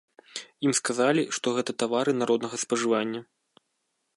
Ім сказалі, што гэта тавары народнага спажывання.